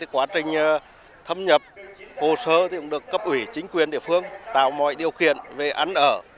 quá trình thâm nhập hồ sơ cũng được cấp ủy chính quyền địa phương tạo mọi điều kiện về ăn ở